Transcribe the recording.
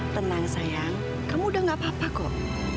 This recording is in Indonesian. tenang sayang kamu udah gak apa apa kok